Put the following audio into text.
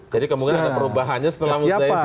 jadi kemungkinan ada perubahannya setelah musnah ini